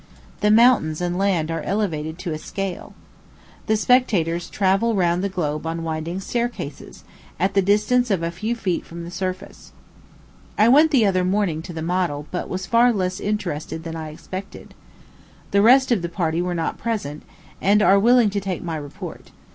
The mountains and land are elevated to a scale. The spectators travel round the globe on winding staircases, at the distance of a few feet from the surface. I went the other morning to the model, but was far less interested than I expected. The rest of the party were not present, and are willing to take my report.